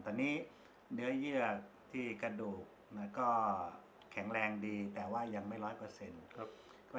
ทีนี้เนื้อเยือดที่กระดูกแข็งแรงดีแต่ว่ายังไม่ใช่หล้อเปอร์เซ็นต์